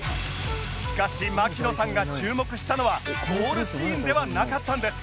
しかし槙野さんが注目したのはゴールシーンではなかったんです